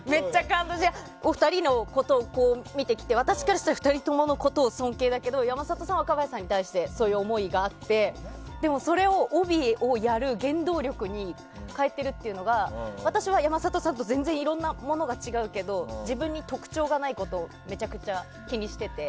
お二人のことを見てきて私からしたら２人とも尊敬だけど山里さんは若林さんに対してそれがあってでも、それを帯をやる原動力に変えているというのは私は山里さんといろんなものが違うけど自分に特徴がないことをめちゃくちゃ気にしてて。